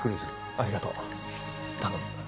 ありがとう頼む。